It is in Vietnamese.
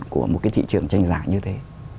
của một cái thị trường tranh giả như thế